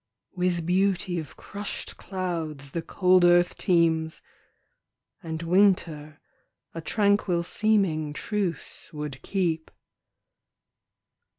With beauty of crushed clouds the cold earth teems, And winter a tranquil seeming truce would keep.